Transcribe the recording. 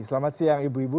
selamat siang ibu ibu